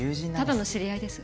ただの知り合いです。